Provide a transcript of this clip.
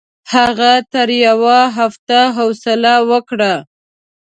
هغه تر یوه وخته حوصله وکړه.